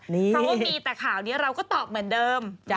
เพราะว่ามีแต่ข่าวนี้เราก็ตอบเหมือนเดิม